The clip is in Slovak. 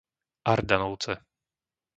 Ardanovce